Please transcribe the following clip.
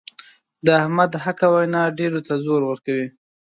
د احمد حقه وینا ډېرو ته زور ورکوي.